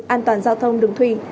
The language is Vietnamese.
an toàn giao thông đường thủy